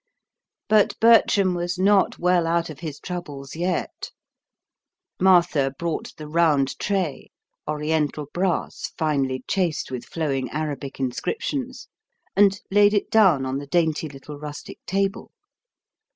But Bertram was not well out of his troubles yet. Martha brought the round tray Oriental brass, finely chased with flowing Arabic inscriptions and laid it down on the dainty little rustic table.